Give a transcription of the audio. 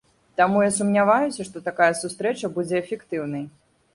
Таму я сумняваюся, што такая сустрэча будзе эфектыўнай.